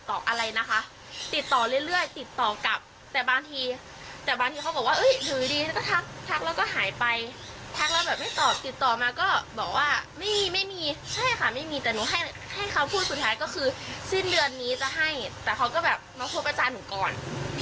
แต่เขาก็แบบมาพบอาจารย์หนูก่อน